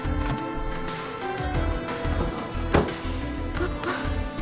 パパ